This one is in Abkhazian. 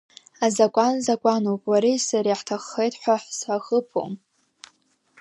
Азакәан закәануп, уареи сареи иаҳҭаххеит ҳәа ҳзахыԥом…